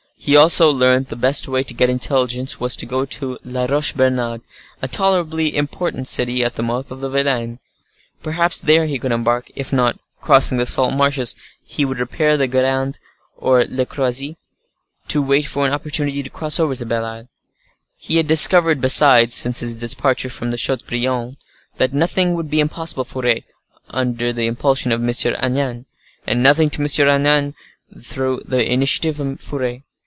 He also learnt the best way to get intelligence was to go to La Roche Bernard, a tolerably important city at the mouth of the Vilaine. Perhaps there he could embark; if not, crossing the salt marshes, he would repair to Guerande or Le Croisic, to wait for an opportunity to cross over to Belle Isle. He had discovered, besides, since his departure from Chateaubriand, that nothing would be impossible for Furet under the impulsion of M. Agnan, and nothing to M. Agnan through the initiative of Furet.